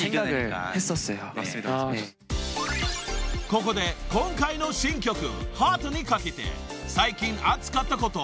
［ここで今回の新曲『ＨＯＴ』にかけて最近熱かったこと。